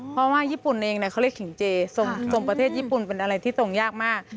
เพราะว่าญี่ปุ่นเองเขาเรียกขิงเจส่งประเทศญี่ปุ่นเป็นอะไรที่ทรงยากมาก